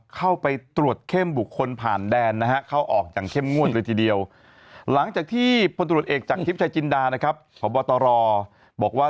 เข้าไปตรวจเข้มบุคคลผ่านแดนเข้าออกอย่างเข้มงวดเลยทีเดียว